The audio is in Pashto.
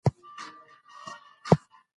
ماشوم په چیغو سره مور غوښتله.